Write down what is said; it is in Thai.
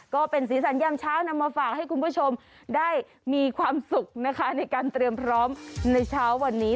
ก็เป็นสีสันยามเช้านำมาฝากให้คุณผู้ชมได้มีความสุขนะคะในการเตรียมพร้อมในเช้าวันนี้